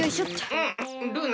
うんルーナ。